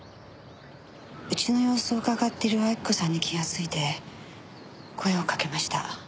うちの様子をうかがっている晃子さんに気がついて声をかけました。